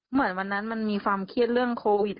เหมือนวันนั้นมันมีความเครียดเรื่องโควิด